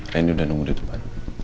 reni udah nunggu di depan